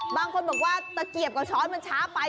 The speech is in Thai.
บางคนบอกว่าตะเกียบกับช้อนมันช้าไป